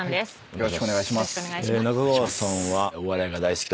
よろしくお願いします。